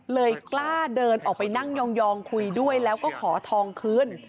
กล้าเดินออกไปนั่งยองคุยด้วยแล้วก็ขอทองคืน